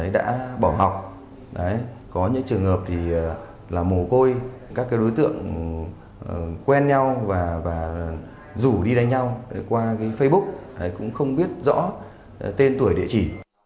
đã bỏ học có những trường hợp là mồ côi các đối tượng quen nhau và rủ đi đánh nhau qua facebook cũng không biết rõ tên tuổi địa chỉ